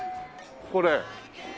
これ。